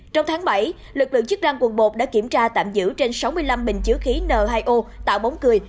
trong tháng bảy lực lượng chức răng quần bột đã kiểm tra tạm giữ trên sáu mươi năm bình chứa khí n hai o tạo bóng cười